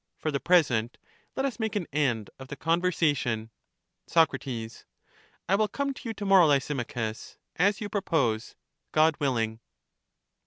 For the present, let us make an end of the conversation. Soc. I will come to you to morrow, Lysimachus, as you propose, God willing.